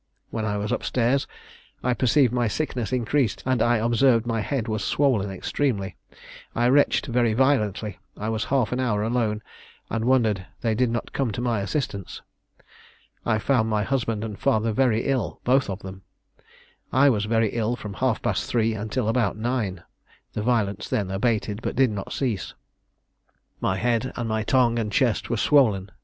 When I was up stairs I perceived my sickness increased, and I observed my head was swollen extremely. I retched very violently: I was half an hour alone, and wondered they did not come to my assistance. I found my husband and father very ill both of them. I was very ill from half past three until about nine; the violence then abated, but did not cease. My head and my tongue and chest were swollen.